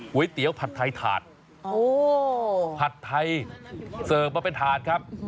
๋เตี๋ยผัดไทยถาดผัดไทยเสิร์ฟมาเป็นถาดครับ